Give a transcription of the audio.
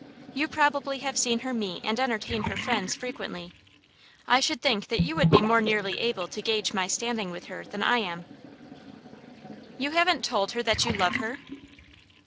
You probably have seen her meet and entertain her friends frequently. I should think you would be more nearly able to gauge my standing with her than I am." "You haven't told her that you love her?"